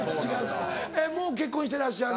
もう結婚してらっしゃる？